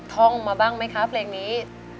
ท่องมาบ้างไหมคะเพลงนี้